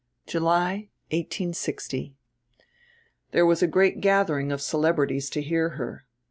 "July ——, 1860. "There was a great gathering of celebrities to hear her.